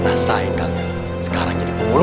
masa yang kalian sekarang jadi punggol